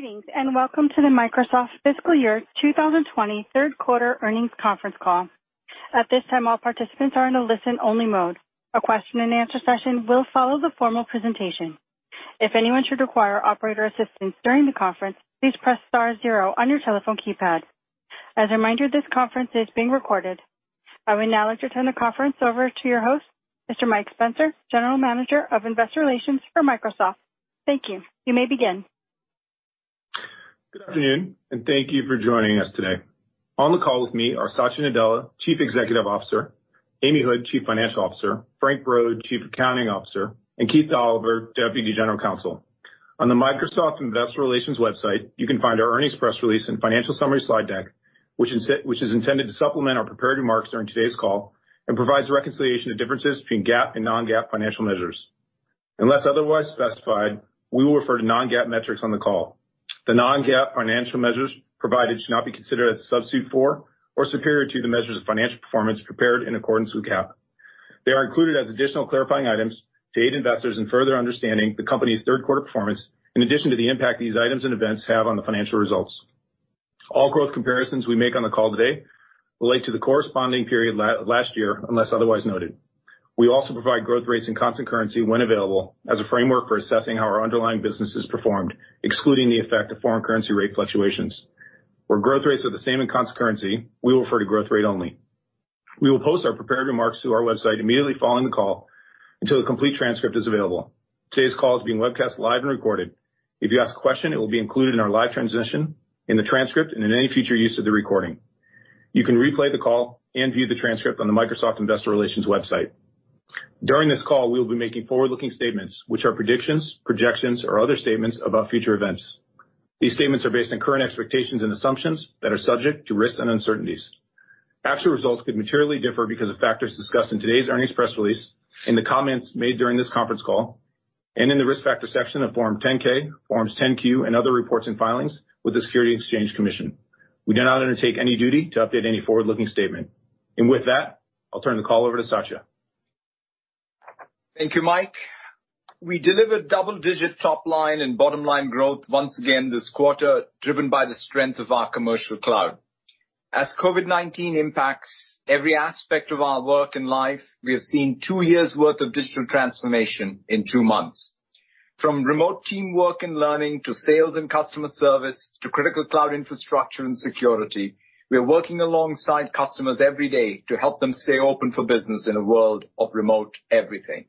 Greetings, welcome to the Microsoft Fiscal Year 2020 3rd quarter earnings conference call. At this time, all participants are in a listen-only mode. A question-and-answer session will follow the formal presentation. If anyone should require operator assistance during the conference, please press star zero on your telephone keypad. As a reminder, this conference is being recorded. I will now return the conference over to your host, Mr. Mike Spencer, General Manager of Investor Relations for Microsoft. Thank you. You may begin. Good afternoon, and thank you for joining us today. On the call with me are Satya Nadella, Chief Executive Officer, Amy Hood, Chief Financial Officer, Frank Brod, Chief Accounting Officer, and Keith Dolliver, Deputy General Counsel. On the Microsoft Investor Relations website, you can find our earnings press release and financial summary slide deck, which is intended to supplement our prepared remarks during today's call, and provides a reconciliation of differences between GAAP and non-GAAP financial measures. Unless otherwise specified, we will refer to non-GAAP metrics on the call. The non-GAAP financial measures provided should not be considered as a substitute for or superior to the measures of financial performance prepared in accordance with GAAP. They are included as additional clarifying items to aid investors in further understanding the company's third quarter performance in addition to the impact these items and events have on the financial results. All growth comparisons we make on the call today relate to the corresponding period last year, unless otherwise noted. We also provide growth rates and constant currency when available as a framework for assessing how our underlying business has performed, excluding the effect of foreign currency rate fluctuations. Where growth rates are the same in constant currency, we will refer to growth rate only. We will post our prepared remarks to our website immediately following the call until the complete transcript is available. Today's call is being webcast live and recorded. If you ask a question, it will be included in our live transmission, in the transcript, and in any future use of the recording. You can replay the call and view the transcript on the Microsoft Investor Relations website. During this call, we will be making forward-looking statements, which are predictions, projections, or other statements about future events. These statements are based on current expectations and assumptions that are subject to risks and uncertainties. Actual results could materially differ because of factors discussed in today's earnings press release, in the comments made during this conference call, and in the Risk Factors section of Form 10-K, Form 10-Q, and other reports and filings with the Securities and Exchange Commission. We do not undertake any duty to update any forward-looking statement. With that, I'll turn the call over to Satya. Thank you, Mike. We delivered double-digit top-line and bottom-line growth once again this quarter, driven by the strength of our commercial cloud. As COVID-19 impacts every aspect of our work and life, we have seen 2 years' worth of digital transformation in 2 months. From remote teamwork and learning to sales and customer service to critical cloud infrastructure and security, we are working alongside customers every day to help them stay open for business in a world of remote everything.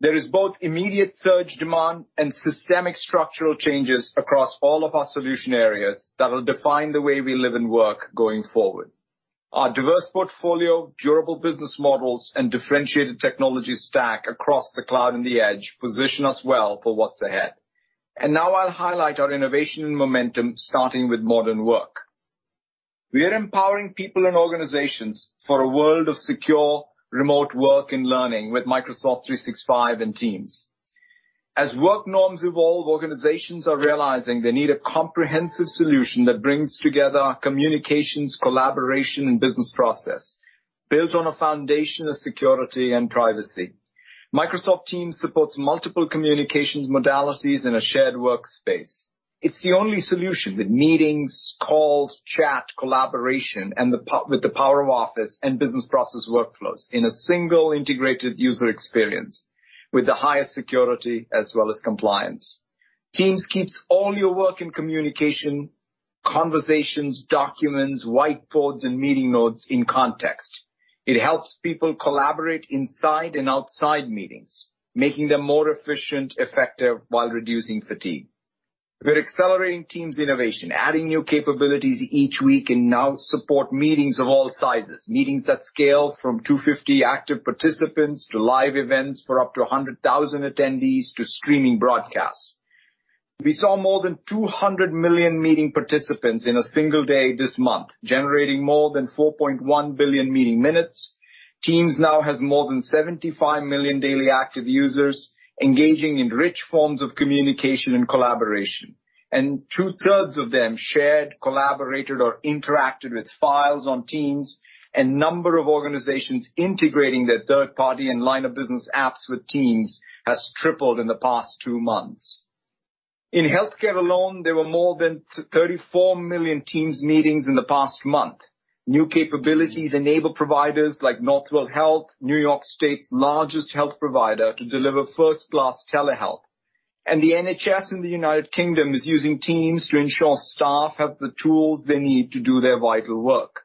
There is both immediate surge demand and systemic structural changes across all of our solution areas that'll define the way we live and work going forward. Our diverse portfolio, durable business models, and differentiated technology stack across the cloud and the edge position us well for what's ahead. Now I'll highlight our innovation and momentum, starting with modern work. We are empowering people and organizations for a world of secure remote work and learning with Microsoft 365 and Teams. As work norms evolve, organizations are realizing they need a comprehensive solution that brings together communications, collaboration, and business process built on a foundation of security and privacy. Microsoft Teams supports multiple communications modalities in a shared workspace. It's the only solution with meetings, calls, chat, collaboration, and with the power of Office and business process workflows in a single integrated user experience with the highest security as well as compliance. Teams keeps all your work and communication, conversations, documents, whiteboards, and meeting notes in context. It helps people collaborate inside and outside meetings, making them more efficient, effective while reducing fatigue. We're accelerating Teams innovation, adding new capabilities each week, and now support meetings of all sizes, meetings that scale from 250 active participants to live events for up to 100,000 attendees to streaming broadcasts. We saw more than 200 million meeting participants in a single day this month, generating more than 4.1 billion meeting minutes. Teams now has more than 75 million daily active users engaging in rich forms of communication and collaboration. Two-thirds of them shared, collaborated, or interacted with files on Teams. Number of organizations integrating their third-party and line-of-business apps with Teams has tripled in the past two months. In healthcare alone, there were more than 34 million Teams meetings in the past month. New capabilities enable providers like Northwell Health, New York State's largest health provider, to deliver first-class telehealth. The NHS in the U.K. is using Teams to ensure staff have the tools they need to do their vital work.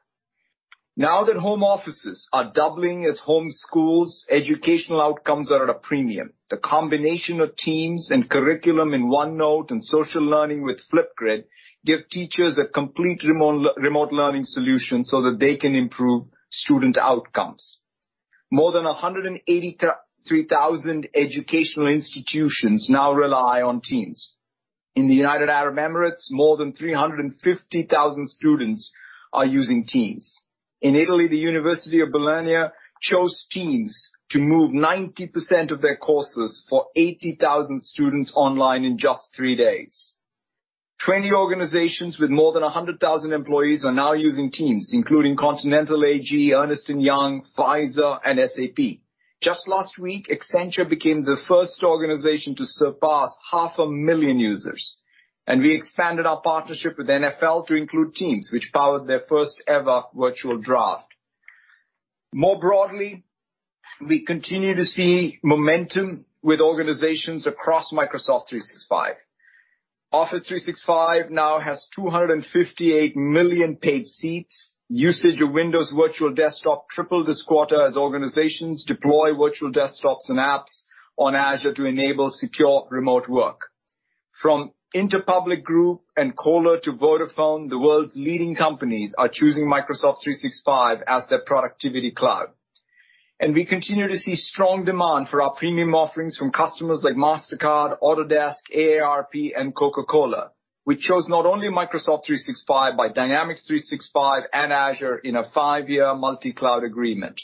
Now that home offices are doubling as home schools, educational outcomes are at a premium. The combination of Teams and curriculum in OneNote and social learning with Flipgrid give teachers a complete remote learning solution so that they can improve student outcomes. More than 183,000 educational institutions now rely on Teams. In the United Arab Emirates, more than 350,000 students are using Teams. In Italy, the University of Bologna chose Teams to move 90% of their courses for 80,000 students online in just 3 days. 20 organizations with more than 100,000 employees are now using Teams, including Continental AG, Ernst & Young, Pfizer, and SAP. Just last week, Accenture became the first organization to surpass half a million users, and we expanded our partnership with NFL to include Teams, which powered their first ever virtual draft. More broadly, we continue to see momentum with organizations across Microsoft 365. Office 365 now has 258 million paid seats. Usage of Windows Virtual Desktop tripled this quarter as organizations deploy virtual desktops and apps on Azure to enable secure remote work. From Interpublic Group and Kohler to Vodafone, the world's leading companies are choosing Microsoft 365 as their productivity cloud. We continue to see strong demand for our premium offerings from customers like Mastercard, Autodesk, AARP, and Coca-Cola, which chose not only Microsoft 365, but Dynamics 365 and Azure in a five-year multi-cloud agreement.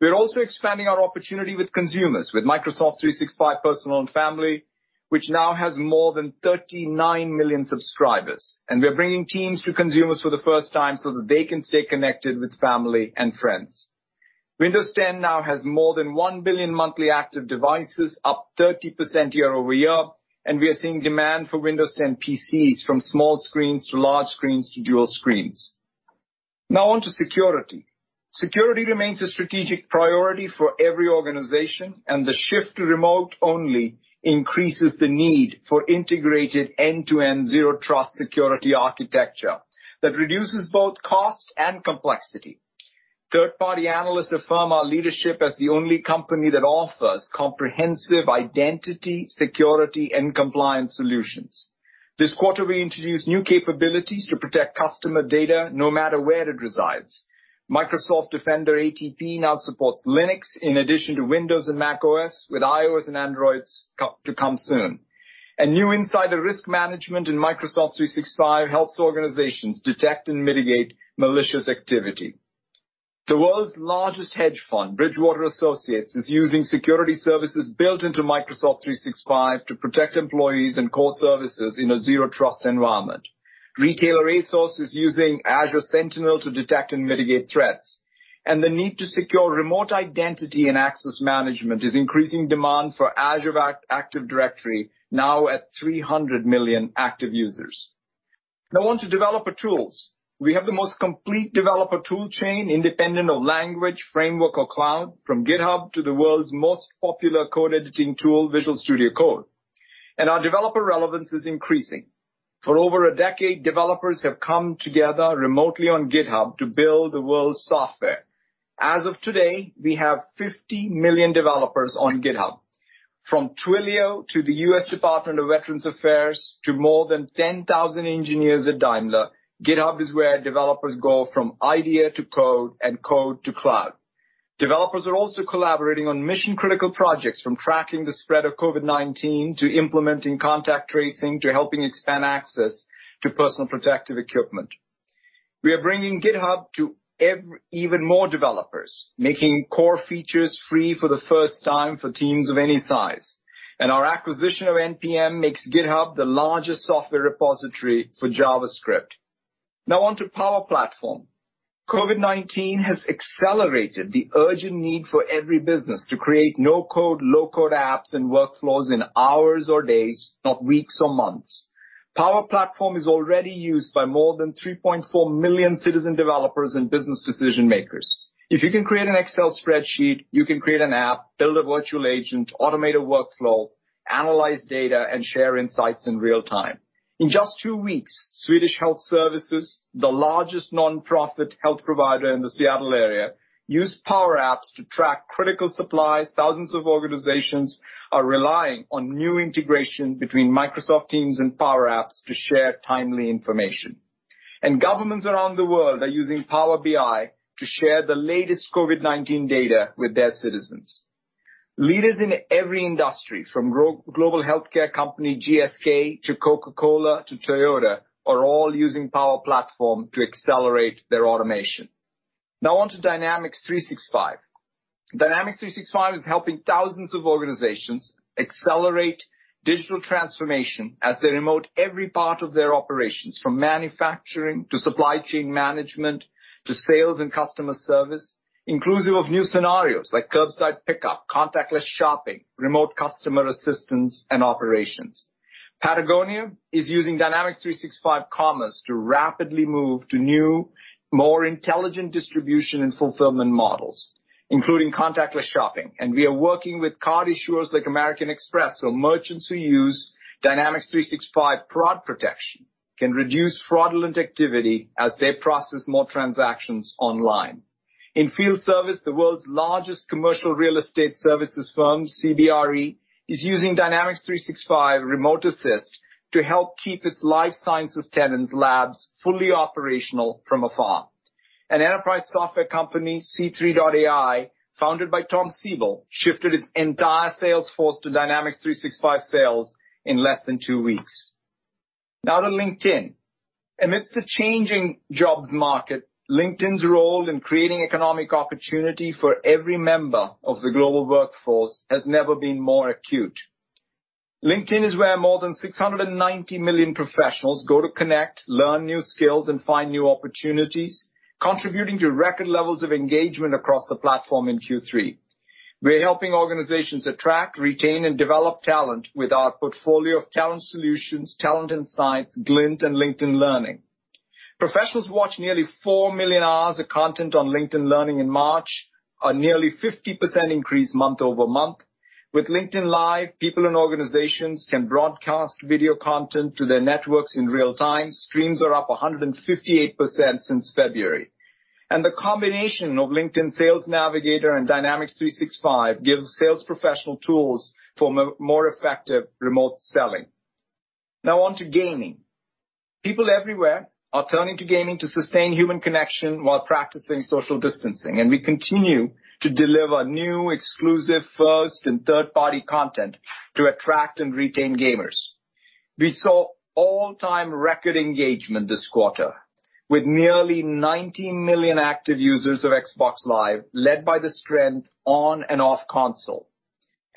We are also expanding our opportunity with consumers, with Microsoft 365 Personal and Family, which now has more than 39 million subscribers. We are bringing Teams to consumers for the first time so that they can stay connected with family and friends. Windows 10 now has more than 1 billion monthly active devices, up 30% year-over-year, and we are seeing demand for Windows 10 PCs from small screens to large screens to dual screens. Now on to security. Security remains a strategic priority for every organization, and the shift to remote-only increases the need for integrated end-to-end Zero Trust security architecture that reduces both cost and complexity. Third-party analysts affirm our leadership as the only company that offers comprehensive identity, security, and compliance solutions. This quarter, we introduced new capabilities to protect customer data no matter where it resides. Microsoft Defender ATP now supports Linux in addition to Windows and macOS, with iOS and Android to come soon. New insider risk management in Microsoft 365 helps organizations detect and mitigate malicious activity. The world's largest hedge fund, Bridgewater Associates, is using security services built into Microsoft 365 to protect employees and core services in a Zero Trust environment. Retailer ASOS is using Azure Sentinel to detect and mitigate threats, and the need to secure remote identity and access management is increasing demand for Azure Active Directory now at 300 million active users. Now on to developer tools. We have the most complete developer tool chain, independent of language, framework, or cloud, from GitHub to the world's most popular code editing tool, Visual Studio Code. Our developer relevance is increasing. For over a decade, developers have come together remotely on GitHub to build the world's software. As of today, we have 50 million developers on GitHub. From Twilio to the U.S. Department of Veterans Affairs to more than 10,000 engineers at Daimler, GitHub is where developers go from idea to code and code to cloud. Developers are also collaborating on mission-critical projects from tracking the spread of COVID-19 to implementing contact tracing to helping expand access to personal protective equipment. We are bringing GitHub to even more developers, making core features free for the first time for teams of any size. Our acquisition of npm makes GitHub the largest software repository for JavaScript. Now on to Power Platform. COVID-19 has accelerated the urgent need for every business to create no-code, low-code apps and workflows in hours or days, not weeks or months. Power Platform is already used by more than 3.4 million citizen developers and business decision-makers. If you can create an Excel spreadsheet, you can create an app, build a virtual agent, automate a workflow, analyze data, and share insights in real time. In just two weeks, Swedish Health Services, the largest nonprofit health provider in the Seattle area, used Power Apps to track critical supplies. Thousands of organizations are relying on new integration between Microsoft Teams and Power Apps to share timely information. Governments around the world are using Power BI to share the latest COVID-19 data with their citizens. Leaders in every industry from global healthcare company GSK to Coca-Cola to Toyota are all using Power Platform to accelerate their automation. Now on to Dynamics 365. Dynamics 365 is helping thousands of organizations accelerate digital transformation as they remote every part of their operations from manufacturing to supply chain management to sales and customer service, inclusive of new scenarios like curbside pickup, contactless shopping, remote customer assistance, and operations. Patagonia is using Dynamics 365 Commerce to rapidly move to new, more intelligent distribution and fulfillment models, including contactless shopping. We are working with card issuers like American Express so merchants who use Dynamics 365 Fraud Protection can reduce fraudulent activity as they process more transactions online. In field service, the world's largest commercial real estate services firm, CBRE, is using Dynamics 365 Remote Assist to help keep its life sciences tenants labs fully operational from afar. An enterprise software company, C3.ai, founded by Tom Siebel, shifted its entire sales force to Dynamics 365 Sales in less than 2 weeks. Now to LinkedIn. Amidst the changing jobs market, LinkedIn's role in creating economic opportunity for every member of the global workforce has never been more acute. LinkedIn is where more than 690 million professionals go to connect, learn new skills, and find new opportunities, contributing to record levels of engagement across the platform in Q3. We're helping organizations attract, retain, and develop talent with our portfolio of talent solutions, talent insights, Glint and LinkedIn Learning. Professionals watched nearly 4 million hours of content on LinkedIn Learning in March, a nearly 50% increase month-over-month. With LinkedIn Live, people in organizations can broadcast video content to their networks in real time. Streams are up 158% since February. The combination of LinkedIn Sales Navigator and Dynamics 365 gives sales professional tools for more effective remote selling. Now on to gaming. People everywhere are turning to gaming to sustain human connection while practicing social distancing, we continue to deliver new exclusive first and third-party content to attract and retain gamers. We saw all-time record engagement this quarter with nearly 19 million active users of Xbox Live, led by the strength on and off console.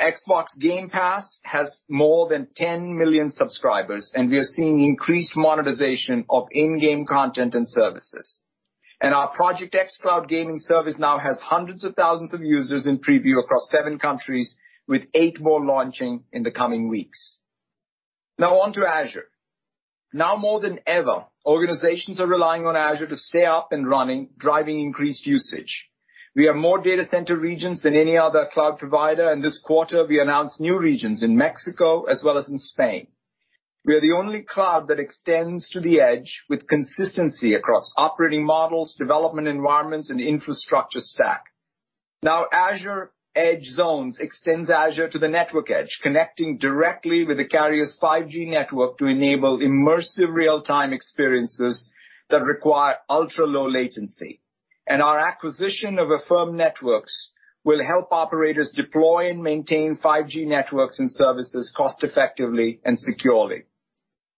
Xbox Game Pass has more than 10 million subscribers, we are seeing increased monetization of in-game content and services. Our Project xCloud gaming service now has hundreds of thousands of users in preview across 7 countries, with 8 more launching in the coming weeks. Now on to Azure. Now more than ever, organizations are relying on Azure to stay up and running, driving increased usage. We have more data center regions than any other cloud provider, this quarter we announced new regions in Mexico as well as in Spain. We are the only cloud that extends to the edge with consistency across operating models, development environments, and infrastructure stack. Azure Edge Zones extends Azure to the network edge, connecting directly with the carrier's 5G network to enable immersive real-time experiences that require ultra-low latency. Our acquisition of Affirmed Networks will help operators deploy and maintain 5G networks and services cost effectively and securely.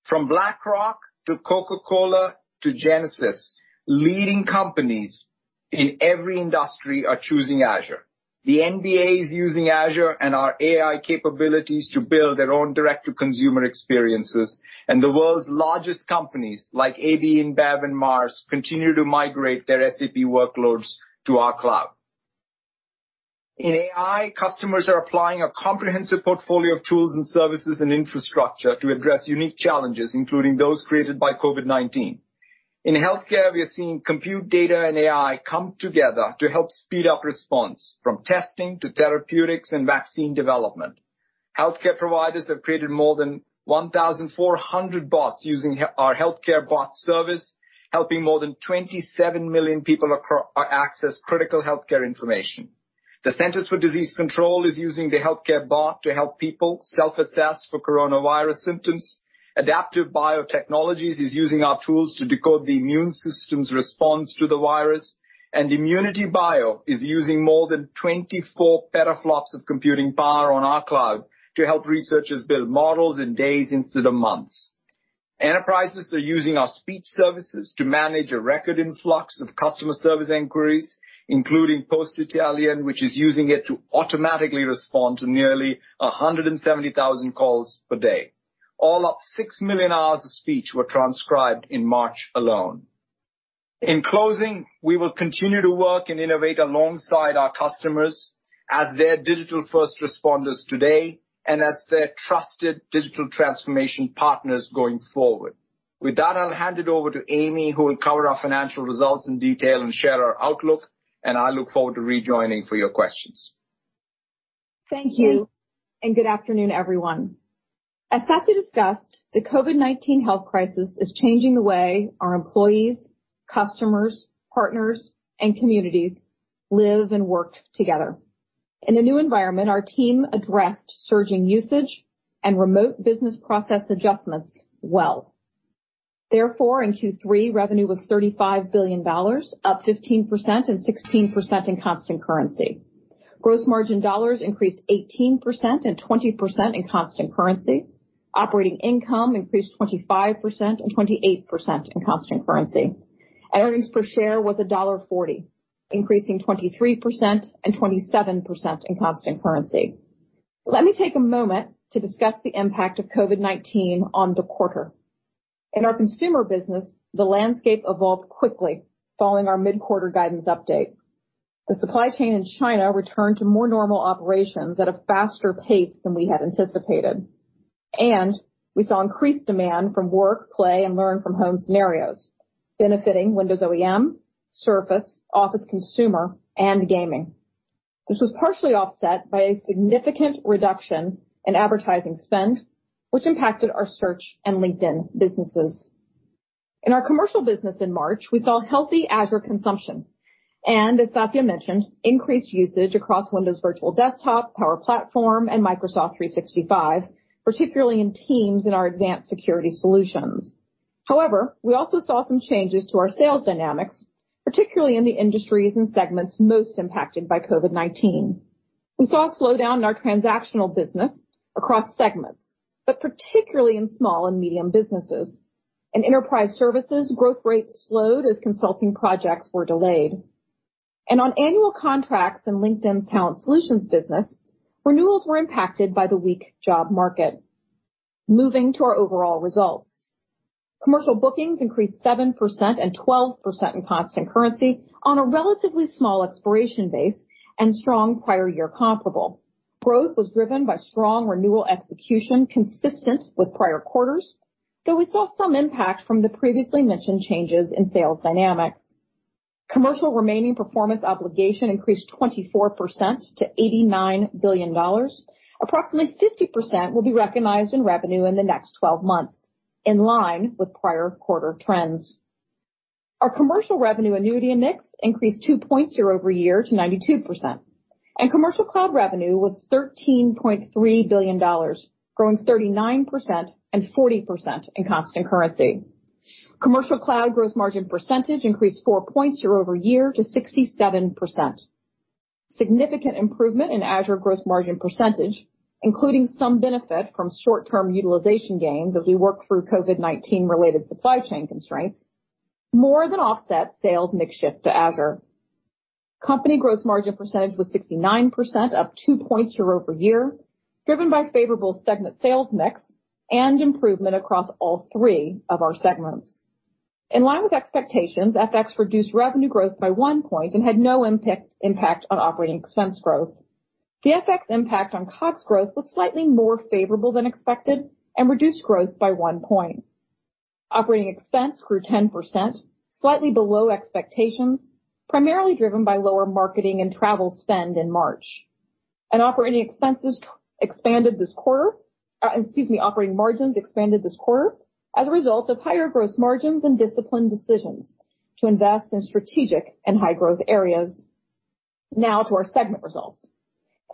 From BlackRock to Coca-Cola to Genesys, leading companies in every industry are choosing Azure. The NBA is using Azure and our AI capabilities to build their own direct-to-consumer experiences, and the world's largest companies like AB InBev and Mars continue to migrate their SAP workloads to our cloud. In AI, customers are applying a comprehensive portfolio of tools and services and infrastructure to address unique challenges, including those created by COVID-19. In healthcare, we are seeing compute data and AI come together to help speed up response, from testing to therapeutics and vaccine development. Healthcare providers have created more than 1,400 bots using our healthcare bot service, helping more than 27 million people access critical healthcare information. The Centers for Disease Control is using the healthcare bot to help people self-assess for coronavirus symptoms. Adaptive Biotechnologies is using our tools to decode the immune system's response to the virus, and ImmunityBio is using more than 24 petaFLOPS of computing power on our cloud to help researchers build models in days instead of months. Enterprises are using our speech services to manage a record influx of customer service inquiries, including Poste Italiane, which is using it to automatically respond to nearly 170,000 calls per day. All up, 6 million hours of speech were transcribed in March alone. In closing, we will continue to work and innovate alongside our customers as their digital first responders today and as their trusted digital transformation partners going forward. With that, I'll hand it over to Amy, who will cover our financial results in detail and share our outlook, and I look forward to rejoining for your questions. Thank you, and good afternoon, everyone. As Satya discussed, the COVID-19 health crisis is changing the way our employees, customers, partners, and communities live and work together. In the new environment, our team addressed surging usage and remote business process adjustments well. Therefore, in Q3, revenue was $35 billion, up 15% and 16% in constant currency. Gross margin dollars increased 18% and 20% in constant currency. Operating income increased 25% and 28% in constant currency. Earnings per share was $1.40, increasing 23% and 27% in constant currency. Let me take a moment to discuss the impact of COVID-19 on the quarter. In our consumer business, the landscape evolved quickly following our mid-quarter guidance update. The supply chain in China returned to more normal operations at a faster pace than we had anticipated. We saw increased demand from work, play, and learn from home scenarios, benefiting Windows OEM, Surface, Office Consumer, and Gaming. This was partially offset by a significant reduction in advertising spend, which impacted our Search and LinkedIn businesses. In our commercial business in March, we saw healthy Azure consumption and, as Satya mentioned, increased usage across Windows Virtual Desktop, Power Platform, and Microsoft 365, particularly in Teams and our advanced security solutions. However, we also saw some changes to our sales dynamics, particularly in the industries and segments most impacted by COVID-19. We saw a slowdown in our transactional business across segments, but particularly in small and medium businesses. In enterprise services, growth rates slowed as consulting projects were delayed. On annual contracts in LinkedIn Talent Solutions business, renewals were impacted by the weak job market. Moving to our overall results. Commercial bookings increased 7% and 12% in constant currency on a relatively small expiration base and strong prior year comparable. Growth was driven by strong renewal execution consistent with prior quarters, though we saw some impact from the previously mentioned changes in sales dynamics. Commercial remaining performance obligation increased 24% to $89 billion. Approximately 50% will be recognized in revenue in the next 12 months, in line with prior quarter trends. Our commercial revenue annuity mix increased 2 points year-over-year to 92%, and commercial cloud revenue was $13.3 billion, growing 39% and 40% in constant currency. Commercial cloud gross margin percentage increased 4 points year-over-year to 67%. Significant improvement in Azure gross margin percentage, including some benefit from short-term utilization gains as we work through COVID-19 related supply chain constraints, more than offset sales mix shift to Azure. Company gross margin percentage was 69%, up 2 points year-over-year, driven by favorable segment sales mix and improvement across all three of our segments. In line with expectations, FX reduced revenue growth by 1 point and had no impact on operating expense growth. The FX impact on COGS growth was slightly more favorable than expected and reduced growth by 1 point. Operating expense grew 10%, slightly below expectations, primarily driven by lower marketing and travel spend in March. Operating expenses expanded this quarter. Excuse me, operating margins expanded this quarter as a result of higher gross margins and disciplined decisions to invest in strategic and high-growth areas. Now to our segment results.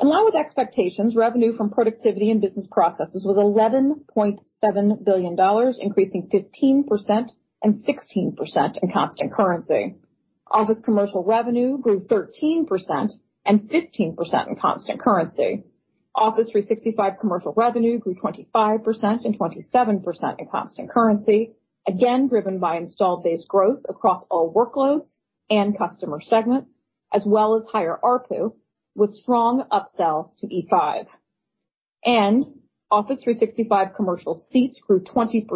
In line with expectations, revenue from productivity and business processes was $11.7 billion, increasing 15% and 16% in constant currency. Office commercial revenue grew 13% and 15% in constant currency. Office 365 commercial revenue grew 25% and 27% in constant currency, again, driven by installed base growth across all workloads and customer segments, as well as higher ARPU with strong upsell to E5. Office 365 commercial seats grew 20%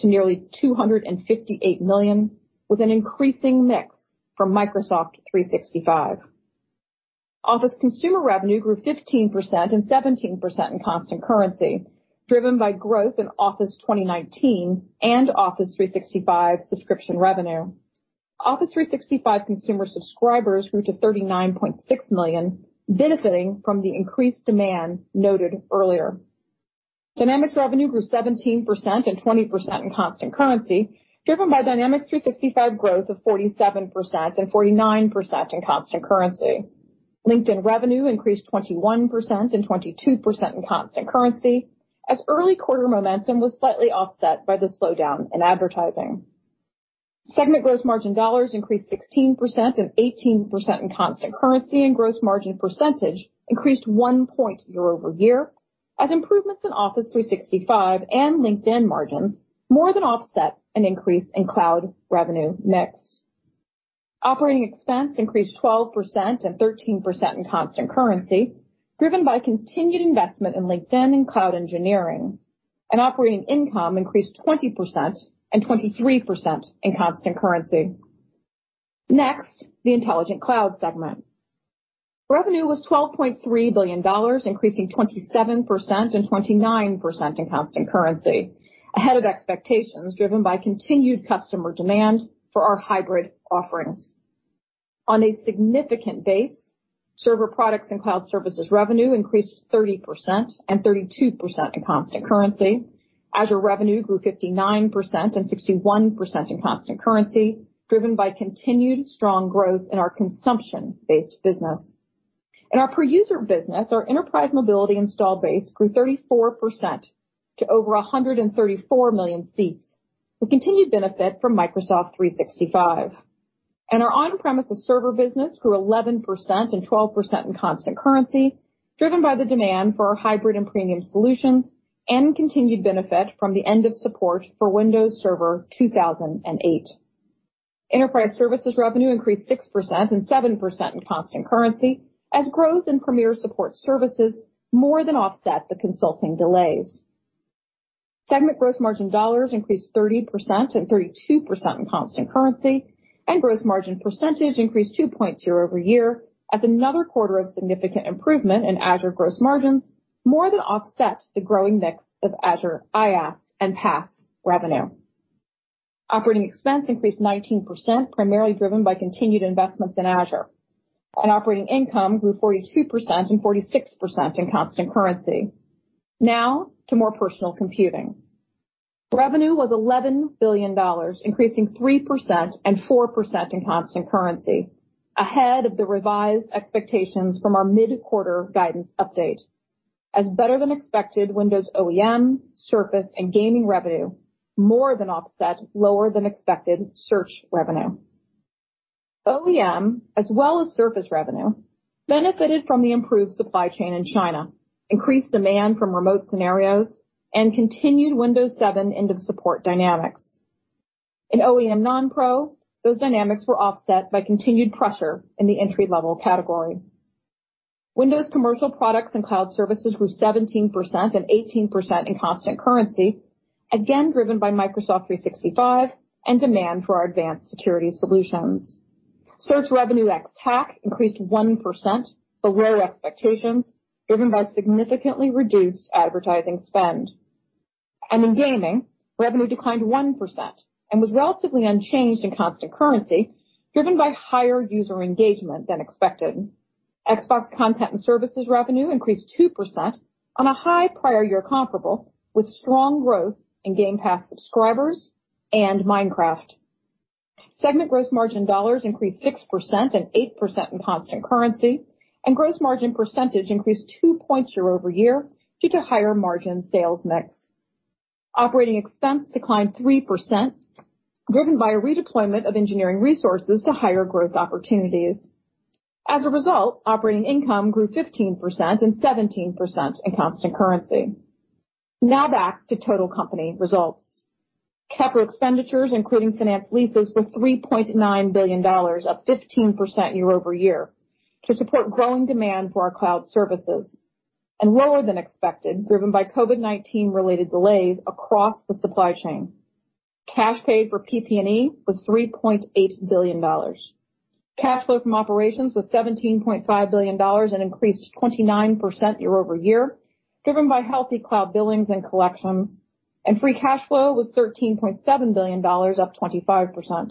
to nearly 258 million with an increasing mix from Microsoft 365. Office consumer revenue grew 15% and 17% in constant currency, driven by growth in Office 2019 and Office 365 subscription revenue. Office 365 consumer subscribers grew to 39.6 million, benefiting from the increased demand noted earlier. Dynamics revenue grew 17% and 20% in constant currency, driven by Dynamics 365 growth of 47% and 49% in constant currency. LinkedIn revenue increased 21% and 22% in constant currency as early quarter momentum was slightly offset by the slowdown in advertising. Segment gross margin $ increased 16% and 18% in constant currency, and gross margin percentage increased 1 point year-over-year as improvements in Office 365 and LinkedIn margins more than offset an increase in cloud revenue mix. Operating expense increased 12% and 13% in constant currency, driven by continued investment in LinkedIn and cloud engineering. Operating income increased 20% and 23% in constant currency. Next, the Intelligent Cloud segment. Revenue was $12.3 billion, increasing 27% and 29% in constant currency, ahead of expectations driven by continued customer demand for our hybrid offerings. On a significant base, server products and cloud services revenue increased 30% and 32% in constant currency. Azure revenue grew 59% and 61% in constant currency, driven by continued strong growth in our consumption-based business. In our per user business, our enterprise mobility installed base grew 34% to over 134 million seats with continued benefit from Microsoft 365. Our on-premises server business grew 11% and 12% in constant currency, driven by the demand for our hybrid and premium solutions and continued benefit from the end of support for Windows Server 2008. Enterprise services revenue increased 6% and 7% in constant currency as growth in premier support services more than offset the consulting delays. Segment gross margin dollars increased 30% and 32% in constant currency, and gross margin percentage increased 2 points year-over-year as another quarter of significant improvement in Azure gross margins more than offset the growing mix of Azure IaaS and PaaS revenue. Operating expense increased 19%, primarily driven by continued investments in Azure. Operating income grew 42% and 46% in constant currency. Now to More Personal Computing. Revenue was $11 billion, increasing 3% and 4% in constant currency, ahead of the revised expectations from our mid-quarter guidance update as better than expected Windows OEM, Surface, and gaming revenue more than offset lower than expected search revenue. OEM, as well as Surface revenue, benefited from the improved supply chain in China, increased demand from remote scenarios and continued Windows 7 end of support dynamics. In OEM non-pro, those dynamics were offset by continued pressure in the entry-level category. Windows Commercial products and cloud services grew 17% and 18% in constant currency, again driven by Microsoft 365 and demand for our advanced security solutions. Search revenue ex-TAC increased 1% below expectations, driven by significantly reduced advertising spend. In gaming, revenue declined 1% and was relatively unchanged in constant currency, driven by higher user engagement than expected. Xbox content and services revenue increased 2% on a high prior-year comparable with strong growth in Game Pass subscribers and Minecraft. Segment gross margin dollars increased 6% and 8% in constant currency, and gross margin percentage increased 2 points year-over-year due to higher margin sales mix. Operating expense declined 3%, driven by a redeployment of engineering resources to higher growth opportunities. As a result, operating income grew 15% and 17% in constant currency. Now back to total company results. CapEx expenditures, including finance leases, were $3.9 billion, up 15% year-over-year to support growing demand for our cloud services and lower than expected, driven by COVID-19 related delays across the supply chain. Cash paid for PP&E was $3.8 billion. Cash flow from operations was $17.5 billion and increased 29% year-over-year, driven by healthy cloud billings and collections, and free cash flow was $13.7 billion, up 25%.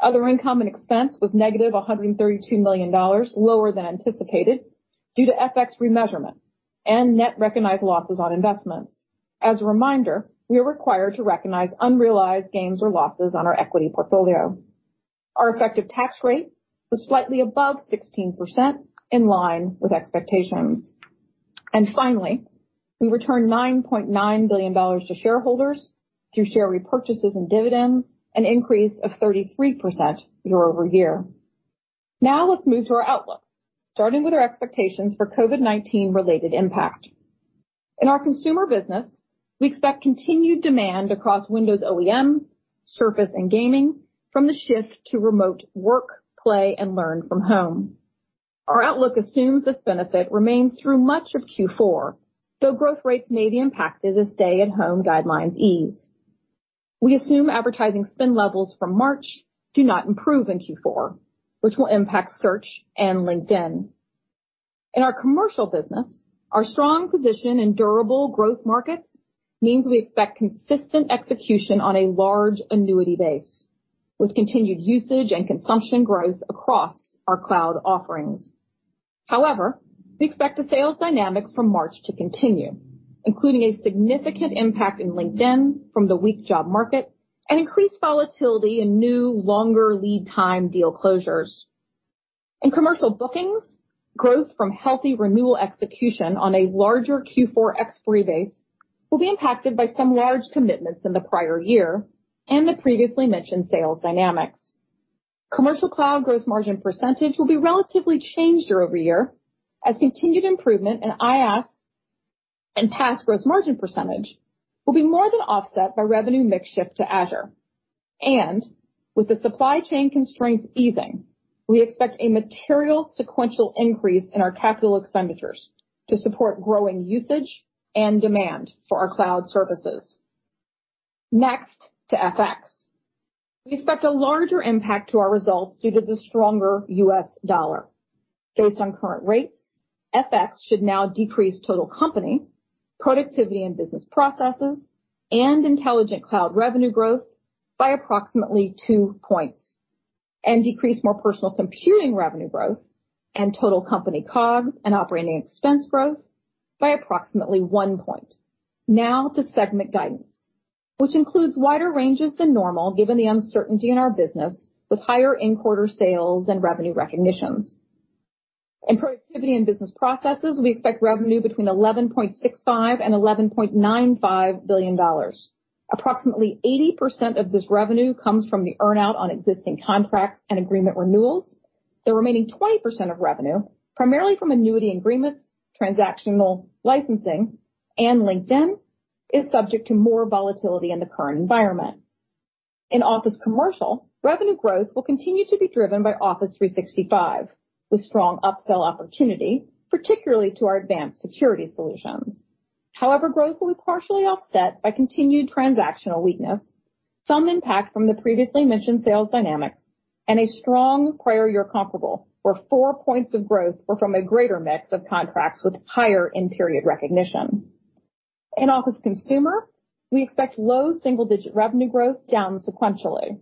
Other income and expense was negative $132 million, lower than anticipated due to FX remeasurement and net recognized losses on investments. As a reminder, we are required to recognize unrealized gains or losses on our equity portfolio. Our effective tax rate was slightly above 16% in line with expectations. Finally, we returned $9.9 billion to shareholders through share repurchases and dividends, an increase of 33% year-over-year. Now let's move to our outlook, starting with our expectations for COVID-19 related impact. In our consumer business, we expect continued demand across Windows OEM, Surface and Gaming from the shift to remote work, play and learn from home. Our outlook assumes this benefit remains through much of Q4, though growth rates may be impacted as stay-at-home guidelines ease. We assume advertising spend levels from March do not improve in Q4, which will impact Search and LinkedIn. In our commercial business, our strong position in durable growth markets means we expect consistent execution on a large annuity base with continued usage and consumption growth across our cloud offerings. However, we expect the sales dynamics from March to continue, including a significant impact in LinkedIn from the weak job market and increased volatility in new longer lead time deal closures. In commercial bookings, growth from healthy renewal execution on a larger Q4 expiry base will be impacted by some large commitments in the prior year and the previously mentioned sales dynamics. Commercial cloud gross margin percentage will be relatively changed year-over-year as continued improvement in IaaS and PaaS gross margin percentage will be more than offset by revenue mix shift to Azure. With the supply chain constraints easing, we expect a material sequential increase in our capital expenditures to support growing usage and demand for our cloud services. Next to FX. We expect a larger impact to our results due to the stronger U.S. dollar. Based on current rates, FX should now decrease total company productivity and business processes and intelligent cloud revenue growth by approximately 2 points and decrease more personal computing revenue growth and total company COGS and operating expense growth by approximately 1 point. Now to segment guidance, which includes wider ranges than normal given the uncertainty in our business with higher in-quarter sales and revenue recognitions. In Productivity and Business Processes, we expect revenue between $11.65 billion and $11.95 billion. Approximately 80% of this revenue comes from the earn-out on existing contracts and agreement renewals. The remaining 20% of revenue, primarily from annuity agreements, transactional licensing, and LinkedIn, is subject to more volatility in the current environment. In Office Commercial, revenue growth will continue to be driven by Office 365, with strong upsell opportunity, particularly to our advanced security solutions. Growth will be partially offset by continued transactional weakness, some impact from the previously mentioned sales dynamics and a strong prior year comparable, where four points of growth were from a greater mix of contracts with higher in-period recognition. In Office Consumer, we expect low single-digit revenue growth down sequentially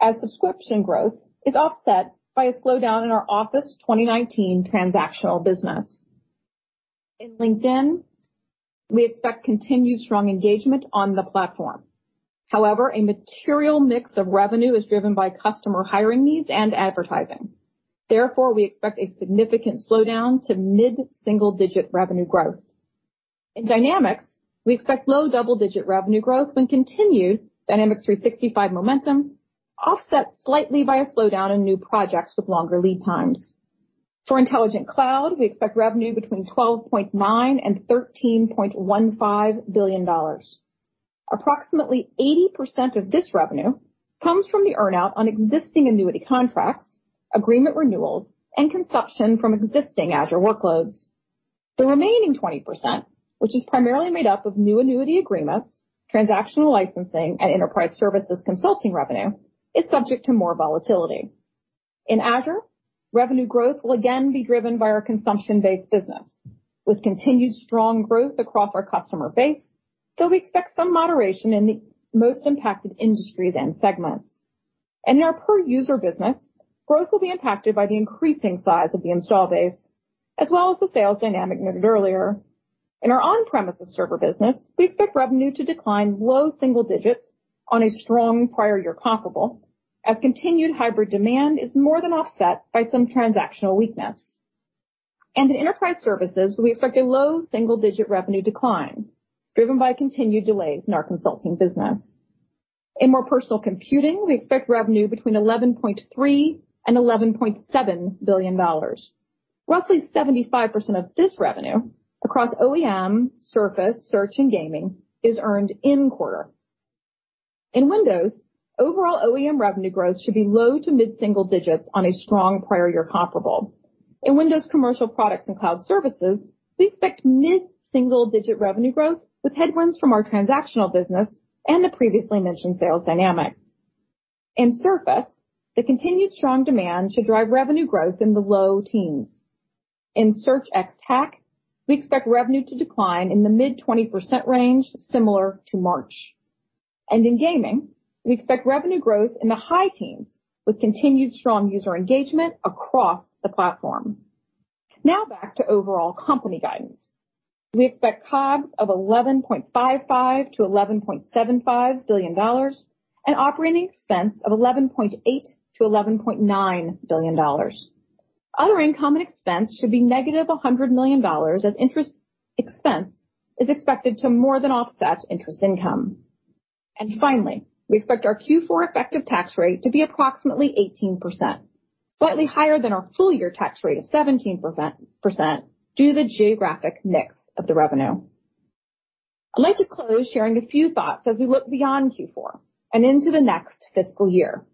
as subscription growth is offset by a slowdown in our Office 2019 transactional business. In LinkedIn, we expect continued strong engagement on the platform. However, a material mix of revenue is driven by customer hiring needs and advertising. Therefore, we expect a significant slowdown to mid-single-digit revenue growth. In Dynamics, we expect low double-digit revenue growth and continued Dynamics 365 momentum offset slightly by a slowdown in new projects with longer lead times. For Intelligent Cloud, we expect revenue between $12.9 billion and $13.15 billion. Approximately 80% of this revenue comes from the earn-out on existing annuity contracts, agreement renewals, and consumption from existing Azure workloads. The remaining 20%, which is primarily made up of new annuity agreements, transactional licensing, and enterprise services consulting revenue, is subject to more volatility. In Azure, revenue growth will again be driven by our consumption-based business with continued strong growth across our customer base, though we expect some moderation in the most impacted industries and segments. In our per-user business, growth will be impacted by the increasing size of the install base, as well as the sales dynamic noted earlier. In our on-premises server business, we expect revenue to decline low single digits on a strong prior year comparable as continued hybrid demand is more than offset by some transactional weakness. In enterprise services, we expect a low single-digit revenue decline driven by continued delays in our consulting business. In More Personal Computing, we expect revenue between $11.3 billion and $11.7 billion. Roughly 75% of this revenue across OEM, Surface, Search, and Gaming is earned in-quarter. In Windows, overall OEM revenue growth should be low to mid-single digits on a strong prior year comparable. In Windows Commercial Products and Cloud Services, we expect mid-single-digit revenue growth with headwinds from our transactional business and the previously mentioned sales dynamics. In Surface, the continued strong demand should drive revenue growth in the low teens. In Search ex-TAC, we expect revenue to decline in the mid 20% range, similar to March. In Gaming, we expect revenue growth in the high teens with continued strong user engagement across the platform. Now back to overall company guidance. We expect COGS of $11.55 billion-$11.75 billion and operating expense of $11.8 billion-$11.9 billion. Other income and expense should be negative $100 million as interest expense is expected to more than offset interest income. Finally, we expect our Q4 effective tax rate to be approximately 18%, slightly higher than our full-year tax rate of 17% due to the geographic mix of the revenue. I'd like to close sharing a few thoughts as we look beyond Q4 and into the next fiscal year.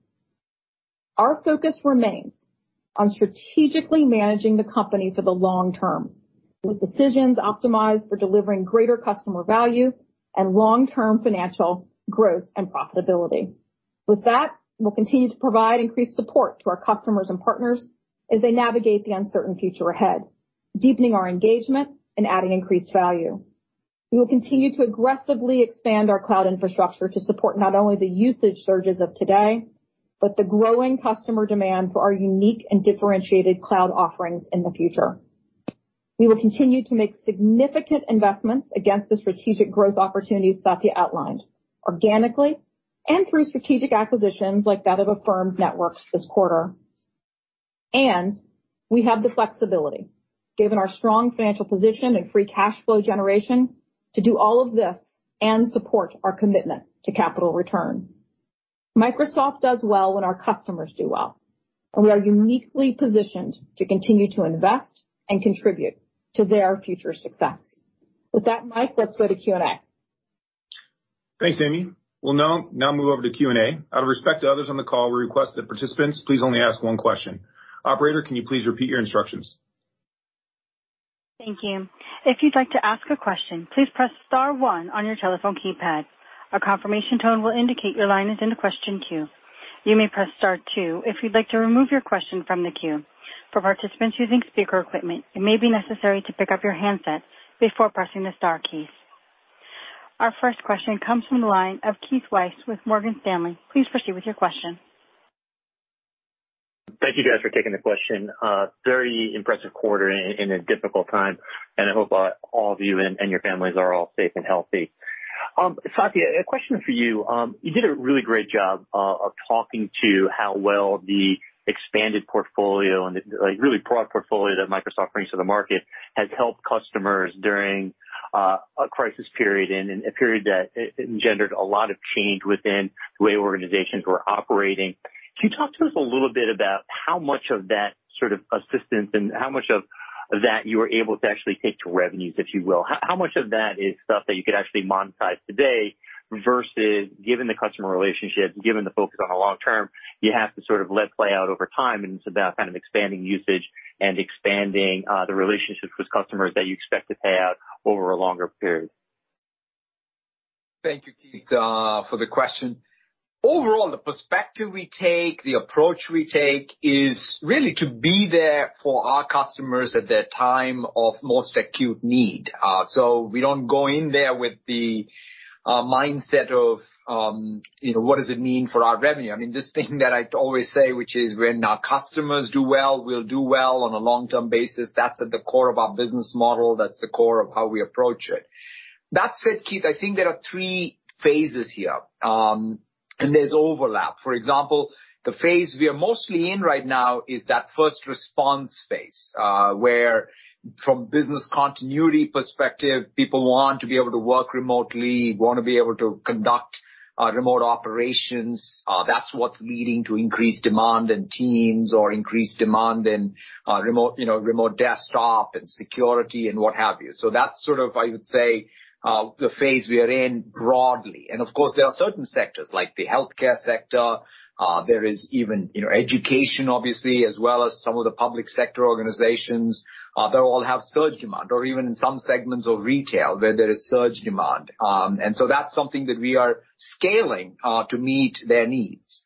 Our focus remains on strategically managing the company for the long term, with decisions optimized for delivering greater customer value and long-term financial growth and profitability. With that, we'll continue to provide increased support to our customers and partners as they navigate the uncertain future ahead, deepening our engagement and adding increased value. We will continue to aggressively expand our cloud infrastructure to support not only the usage surges of today, but the growing customer demand for our unique and differentiated cloud offerings in the future. We will continue to make significant investments against the strategic growth opportunities Satya outlined organically and through strategic acquisitions like that of Affirmed Networks this quarter. We have the flexibility, given our strong financial position and free cash flow generation to do all of this and support our commitment to capital return. Microsoft does well when our customers do well, and we are uniquely positioned to continue to invest and contribute to their future success. With that, Mike, let's go to Q&A. Thanks, Amy. We'll now move over to Q&A. Out of respect to others on the call, we request that participants please only ask one question. Operator, can you please repeat your instructions? Thank you. If you'd like to ask a question, please press star one on your telephone keypad. A confirmation tone will indicate your line is in the question queue. You may press star two if you'd like to remove your question from the queue. For participants using speaker equipment, it may be necessary to pick up your handset before pressing the star keys. Our first question comes from the line of Keith Weiss with Morgan Stanley. Please proceed with your question. Thank you guys for taking the question. Very impressive quarter in a difficult time, and I hope all of you and your families are all safe and healthy. Satya, a question for you. You did a really great job of talking to how well the expanded portfolio and the like really product portfolio that Microsoft brings to the market has helped customers during a crisis period and a period that engendered a lot of change within the way organizations were operating. Can you talk to us a little bit about how much of that sort of assistance and how much of that you are able to actually take to revenues, if you will? How much of that is stuff that you could actually monetize today versus given the customer relationship, given the focus on the long term, you have to sort of let play out over time, and it's about kind of expanding usage and expanding the relationships with customers that you expect to pay out over a longer period. Thank you, Keith, for the question. Overall, the perspective we take, the approach we take is really to be there for our customers at their time of most acute need. We don't go in there with the mindset of, you know, what does it mean for our revenue? I mean, this thing that I always say, which is when our customers do well, we'll do well on a long-term basis. That's at the core of our business model. That's the core of how we approach it. That said, Keith, I think there are three phases here. There's overlap. For example, the phase we are mostly in right now is that first response phase, where from business continuity perspective, people want to be able to work remotely, wanna be able to conduct remote operations. That's what's leading to increased demand in Teams or increased demand in remote, you know, Remote Desktop and security and what have you. That's sort of, I would say, the phase we are in broadly. Of course, there are certain sectors, like the healthcare sector, there is even, you know, education obviously as well as some of the public sector organizations, they all have surge demand. Even in some segments of retail where there is surge demand. That's something that we are scaling to meet their needs.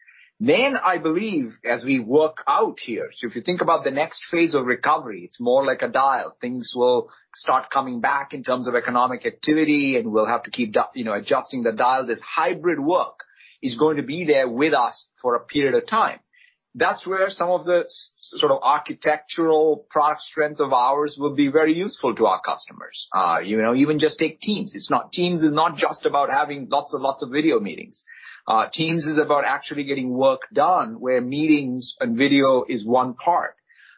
I believe, as we work out here, if you think about the next phase of recovery, it's more like a dial. Things will start coming back in terms of economic activity, and we'll have to keep, you know, adjusting the dial. This hybrid work is going to be there with us for a period of time. That's where some of the sort of architectural product strength of ours will be very useful to our customers. You know, even just take Teams. Teams is not just about having lots and lots of video meetings. Teams is about actually getting work done where meetings and video is one part.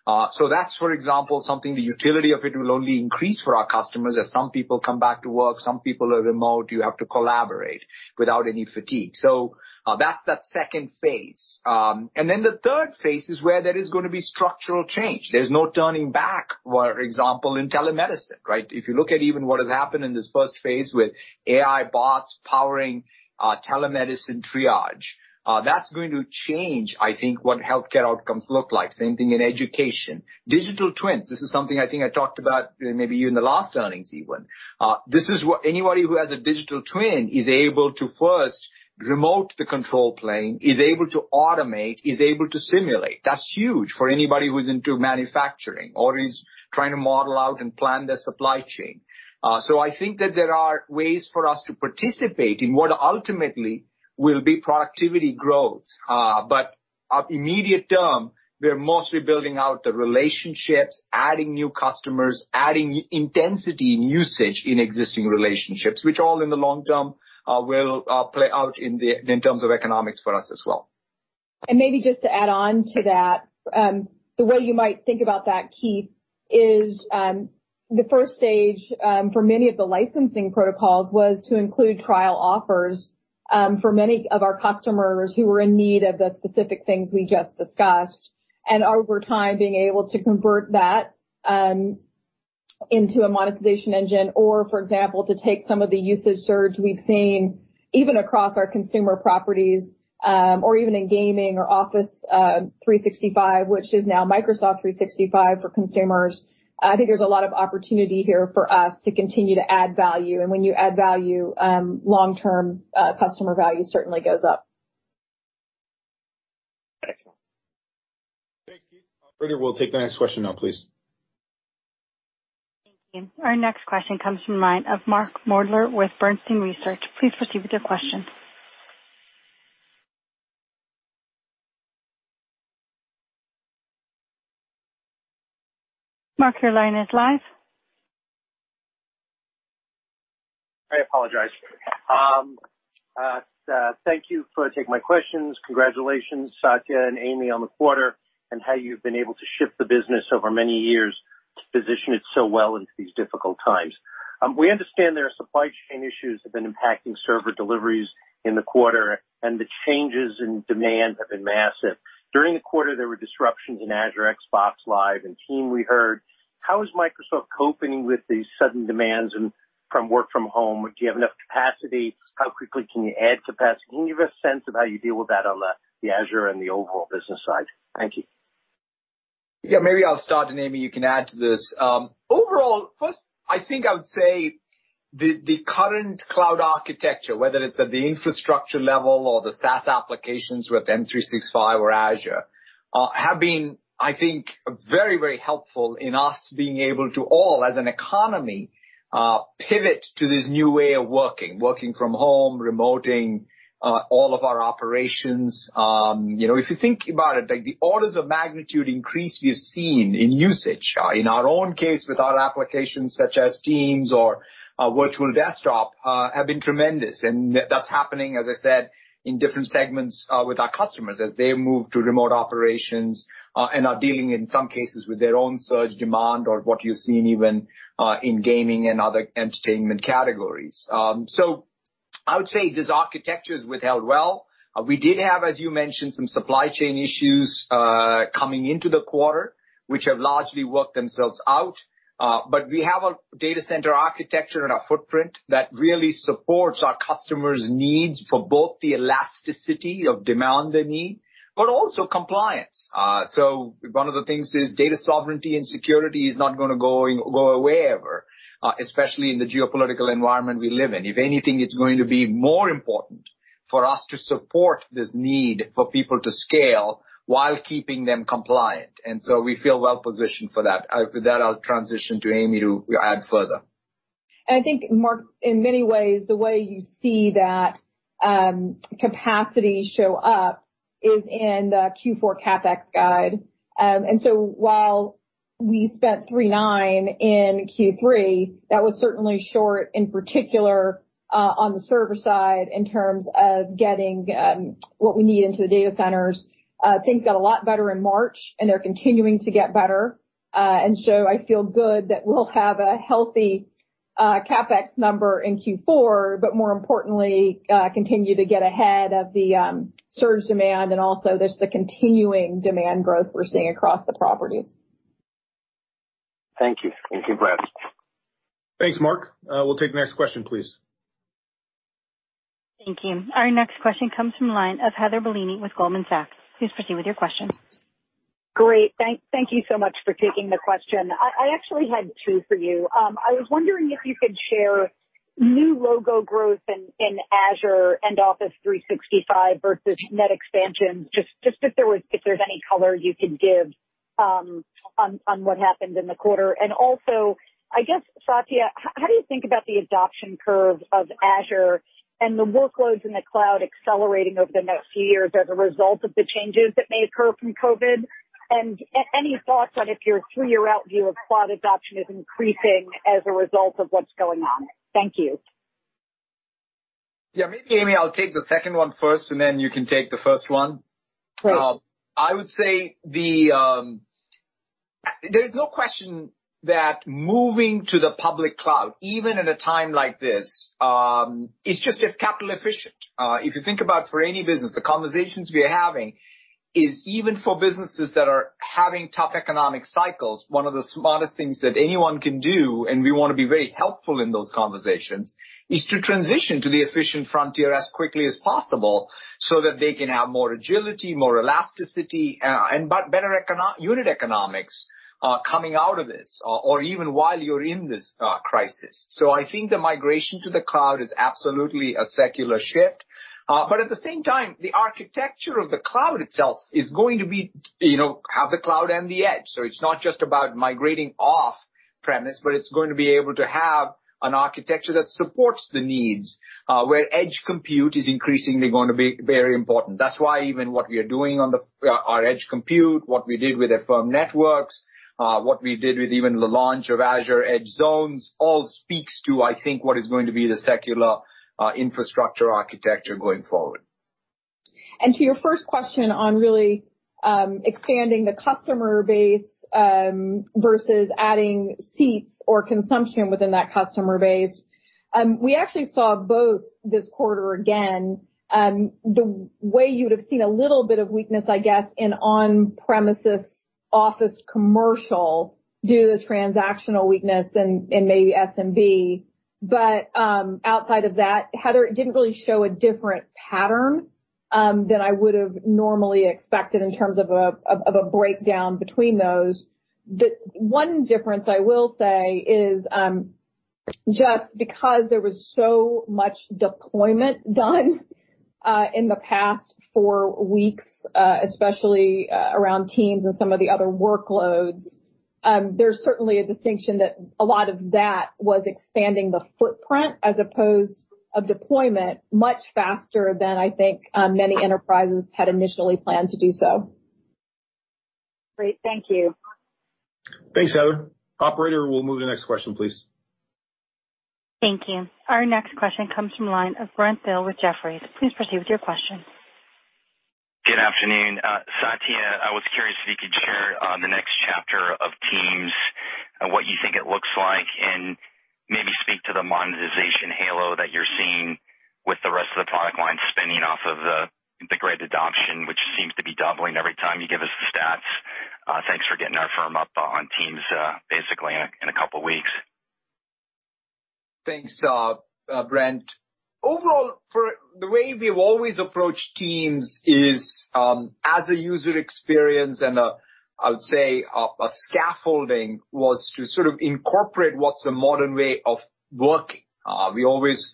That's for example something the utility of it will only increase for our customers, as some people come back to work, some people are remote, you have to collaborate without any fatigue. That's that second phase. The third phase is where there is gonna be structural change. There's no turning back, for example, in telemedicine, right? If you look at even what has happened in this first phase with AI bots powering telemedicine triage, that's going to change, I think, what healthcare outcomes look like. Same thing in education. Digital twins, this is something I think I talked about maybe even in the last earnings even. This is anybody who has a digital twin is able to first remote the control plane, is able to automate, is able to simulate. That's huge for anybody who's into manufacturing or is trying to model out and plan their supply chain. I think that there are ways for us to participate in what ultimately will be productivity growth. At immediate term, we're mostly building out the relationships, adding new customers, adding intensity and usage in existing relationships, which all in the long term, will play out in terms of economics for us as well. Maybe just to add on to that, the way you might think about that, Keith, is the first stage for many of the licensing protocols was to include trial offers for many of our customers who were in need of the specific things we just discussed. Over time, being able to convert that into a monetization engine or, for example, to take some of the usage surge we've seen even across our consumer properties, or even in gaming or Office 365, which is now Microsoft 365 for consumers. I think there's a lot of opportunity here for us to continue to add value. When you add value, long-term, customer value certainly goes up. Excellent. Thanks, Keith. Operator, we'll take the next question now, please. Thank you. Our next question comes from line of Mark Moerdler with Bernstein Research. Please proceed with your question. Mark, your line is live. I apologize. Thank you for taking my questions. Congratulations, Satya and Amy, on the quarter and how you've been able to shift the business over many years to position it so well into these difficult times. We understand there are supply chain issues have been impacting server deliveries in the quarter, and the changes in demand have been massive. During the quarter, there were disruptions in Azure, Xbox Live and Teams, we heard. How is Microsoft coping with these sudden demands and from work from home? Do you have enough capacity? How quickly can you add capacity? Can you give a sense of how you deal with that on the Azure and the overall business side? Thank you. Yeah, maybe I'll start and Amy you can add to this. Overall, first I think I would say the current cloud architecture, whether it's at the infrastructure level or the SaaS applications with M365 or Azure, have been, I think, very, very helpful in us being able to all as an economy, pivot to this new way of working from home, remoting, all of our operations. You know, if you think about it, like the orders of magnitude increase we've seen in usage, in our own case with our applications such as Teams or Virtual Desktop, have been tremendous. That's happening, as I said, in different segments, with our customers as they move to remote operations, and are dealing in some cases with their own surge demand or what you're seeing even, in gaming and other entertainment categories. I would say this architecture has withheld well. We did have, as you mentioned, some supply chain issues, coming into the quarter, which have largely worked themselves out. We have a data center architecture and a footprint that really supports our customers' needs for both the elasticity of demand they need, but also compliance. One of the things is data sovereignty and security is not gonna go away ever, especially in the geopolitical environment we live in. If anything, it's going to be more important for us to support this need for people to scale while keeping them compliant. We feel well positioned for that. With that, I'll transition to Amy to add further. I think, Mark, in many ways, the way you see that capacity show up is in the Q4 CapEx guide. We spent $3.9 in Q3. That was certainly short, in particular, on the server side in terms of getting what we need into the data centers. Things got a lot better in March, they're continuing to get better. I feel good that we'll have a healthy CapEx number in Q4, more importantly, continue to get ahead of the surge demand and also just the continuing demand growth we're seeing across the properties. Thank you. Thank you, Brad. Thanks, Mark. We'll take the next question, please. Thank you. Our next question comes from the line of Heather Bellini with Goldman Sachs. Please proceed with your question. Great. Thank you so much for taking the question. I actually had two for you. I was wondering if you could share new logo growth in Azure and Office 365 versus net expansion, just if there's any color you could give on what happened in the quarter. Also, I guess, Satya, how do you think about the adoption curve of Azure and the workloads in the cloud accelerating over the next few years as a result of the changes that may occur from COVID-19? Any thoughts on if your 3-year out view of cloud adoption is increasing as a result of what's going on? Thank you. Yeah, maybe, Amy, I'll take the second one first, and then you can take the first one. Sure. I would say the There's no question that moving to the public cloud, even at a time like this, is just capital efficient. If you think about for any business, the conversations we are having is even for businesses that are having tough economic cycles, one of the smartest things that anyone can do, And we wanna be very helpful in those conversations, is to transition to the efficient frontier as quickly as possible so that they can have more agility, more elasticity, and better unit economics, coming out of this or even while you're in this, crisis. I think the migration to the cloud is absolutely a secular shift. At the same time, the architecture of the cloud itself is going to be, you know, have the cloud and the edge. It's not just about migrating off premise, but it's going to be able to have an architecture that supports the needs, where edge compute is increasingly going to be very important. That's why even what we are doing on the our edge compute, what we did with Affirmed Networks, what we did with even the launch of Azure Edge Zones, all speaks to, I think, what is going to be the secular infrastructure architecture going forward. To your first question on really, expanding the customer base, versus adding seats or consumption within that customer base, we actually saw both this quarter again. The way you would have seen a little bit of weakness, I guess, in on-premises Office Commercial due to the transactional weakness and maybe SMB. Outside of that, Heather, it didn't really show a different pattern than I would have normally expected in terms of a breakdown between those. The one difference I will say is, just because there was so much deployment done, in the past 4 weeks, especially, around Microsoft Teams and some of the other workloads, there's certainly a distinction that a lot of that was expanding the footprint as opposed of deployment much faster than I think, many enterprises had initially planned to do so. Great. Thank you. Thanks, Heather. Operator, we'll move to the next question, please. Thank you. Our next question comes from line of Brent Thill with Jefferies. Please proceed with your question. Good afternoon. Satya, I was curious if you could share the next chapter of Teams and what you think it looks like, and maybe speak to the monetization halo that you're seeing with the rest of the product line spinning off of the great adoption, which seems to be doubling every time you give us the stats. Thanks for getting our firm up on Teams basically in two weeks. Thanks, Brent. Overall, the way we've always approached Teams is as a user experience and a, I would say, a scaffolding was to sort of incorporate what's a modern way of working. We always